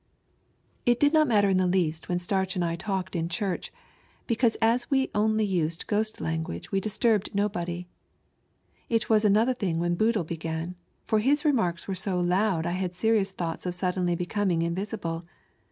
It did not matter the least when Starch and I SABUM USB. 87 talked in church, hecauae as we only naed ghost lan guage we disturbed nobody. It was another thing when Boodle began, for his remarka were so loud I had serions thoughts of suddenly becoming invisible.